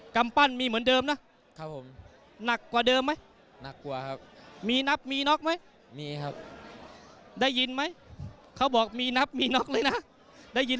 แล้วมีอะไรมาให้นักมวยรุ่นน้องพี่วันนี้